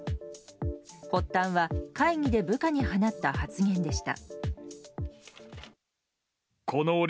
発端は会議で部下に放った発言でした。